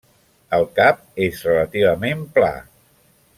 El cap és relativament pla.